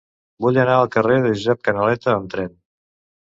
Vull anar al carrer de Josep Canaleta amb tren.